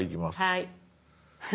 はい。